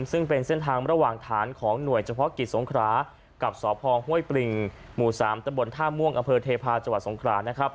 ซึ่งเป็นเส้นทางระหว่างฐานของหน่วยเฉพาะกิจสงครากับสภห้วยปริงหมู่๓ตะบลท่าม่วงอเทพาะจสงครา